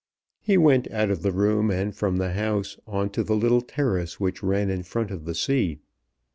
He went out of the room and from the house, on to the little terrace which ran in front of the sea.